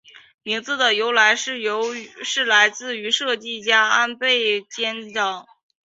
名字的由来是来自于设计家安部兼章。